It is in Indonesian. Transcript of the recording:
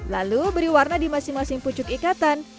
lalu beri warna di masing masing pucuk ikatan